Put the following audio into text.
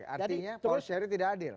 artinya power sharing tidak adil